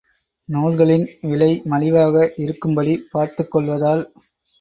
நூல்களின் விலை மலிவாக இருக்கும்படி பார்த்துக் கொள்வதால்.